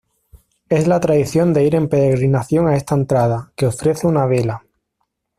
Es la tradición de ir en peregrinación a esta entrada, que ofrece una vela.